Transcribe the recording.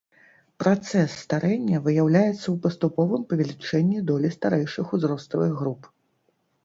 Працэс старэння выяўляецца ў паступовым павелічэнні долі старэйшых узроставых груп.